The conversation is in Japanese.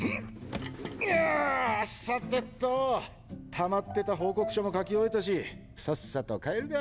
たまってた報告書も書き終えたしさっさと帰るか。